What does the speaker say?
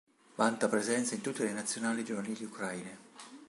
Vanta presenze in tutte le nazionali giovanili ucraine.